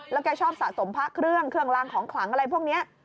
แล้วแกชอบสะสมพระเครื่องเครื่องลางของขลังอะไรพวกนี้